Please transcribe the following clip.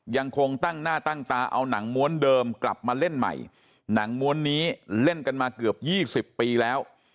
ยังคงตั้งหน้าตั้งตาเอาหนังม้วนเดิมกลับมาเล่นใหม่หนังม้วนนี้เล่นกันมาเกือบ๒๐ปีแล้ว